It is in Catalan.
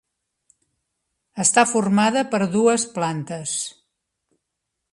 Està formada per dues plantes.